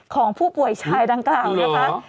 ของผู้ป่วยชายดังกล่าวนะคะ